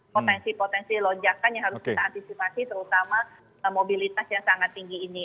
potensi potensi lonjakan yang harus kita antisipasi terutama mobilitas yang sangat tinggi ini